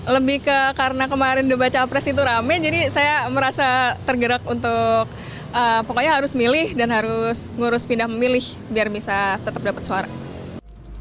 lebih ke karena kemarin debat capres itu rame jadi saya merasa tergerak untuk pokoknya harus milih dan harus ngurus pindah memilih biar bisa tetap dapat suara